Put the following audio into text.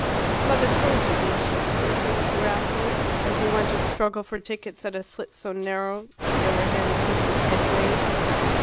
"Mother told you, did she?" said Philip wrathfully, as he went to struggle for tickets at a slit so narrow that they were handed to him edgeways.